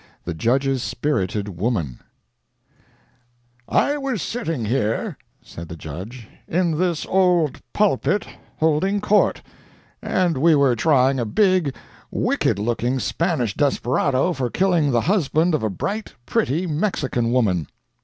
THE JUDGE'S "SPIRITED WOMAN" "I was sitting here," said the judge, "in this old pulpit, holding court, and we were trying a big, wicked looking Spanish desperado for killing the husband of a bright, pretty Mexican woman.